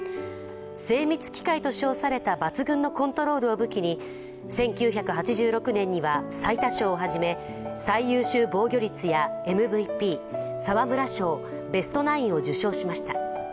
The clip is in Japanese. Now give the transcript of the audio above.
精密機械と称された抜群のコントロールを武器に１９８６年には最多勝をはじめ、最優秀防御率やＭＶＰ、沢村賞ベストナインを受賞しました。